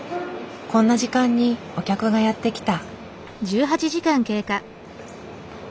こんな時間にお客がやって来た。